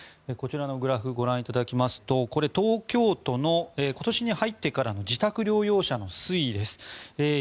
こちらのグラフをご覧いただきますとこれは東京都の今年に入ってからの自宅療養者の推移です。